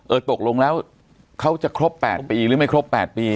ตกลงแล้วเขาจะครบ๘ปีหรือไม่ครบ๘ปี